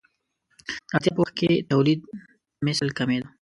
د اړتیا په وخت کې تولیدمثل کمېده.